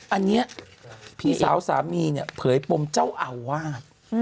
อันนี้พี่สาวสามีเนี่ยเผยปมเจ้าอาวาส